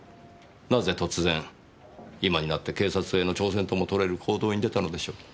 なぜ突然今になって警察への挑戦とも取れる行動に出たのでしょう？